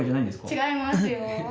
違いますよ。